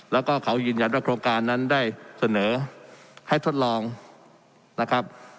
แล้วก็เขายืนยันว่าโครงการนั้นได้เสนอให้ทดลองนะครับ